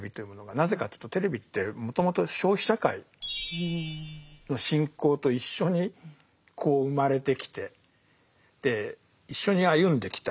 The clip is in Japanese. なぜかというとテレビってもともと消費社会の進行と一緒にこう生まれてきてで一緒に歩んできた。